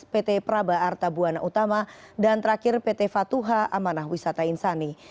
pt praba arta buana utama dan terakhir pt fatuha amanah wisata insani